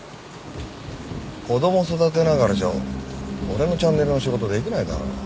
子供育てながらじゃ俺のチャンネルの仕事できないだろ。